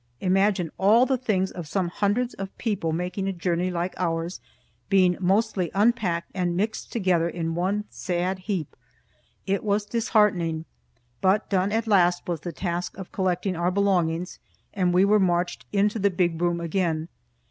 Imagine all the things of some hundreds of people making a journey like ours, being mostly unpacked and mixed together in one sad heap. It was disheartening, but done at last was the task of collecting our belongings, and we were marched into the big room again.